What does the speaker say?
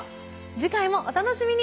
次回もお楽しみに。